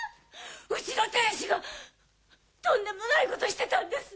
うちの亭主がとんでもないことしてたんです。